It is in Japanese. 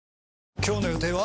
今日の予定は？